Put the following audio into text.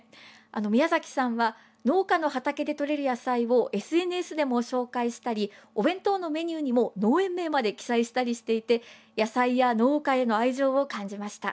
宮崎さんは農家の畑でとれる野菜をＳＮＳでも紹介したりお弁当のメニューにも農園名まで記載したりしていて野菜や農家への愛情を感じました。